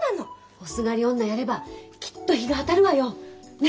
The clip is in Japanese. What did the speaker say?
おすがり女やればきっと日が当たるわよ。ね！